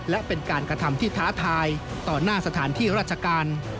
และเป็นการกระทำที่ท้าทายต่อหน้าสถานที่ราชการ